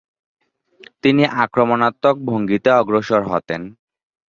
তিনি আক্রমণাত্মক ভঙ্গীতে অগ্রসর হতেন।